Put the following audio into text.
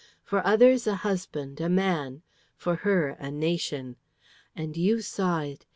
For others, a husband, a man; for her, a nation. And you saw it!